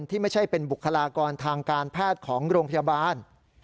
ที่ไม่ใช่เป็นบุคลากรทางการแพทย์ของโรงพยาบาล